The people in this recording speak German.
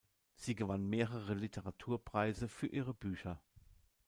Sie gewann mehrere Literaturpreise für ihre Bücher.